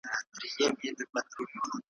په غلطه پر هغه تور د رغل ږدي